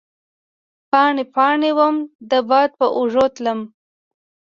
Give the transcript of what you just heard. پاڼې ، پا ڼې وم د باد په اوږو تلمه